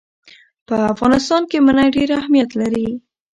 په افغانستان کې منی ډېر اهمیت لري.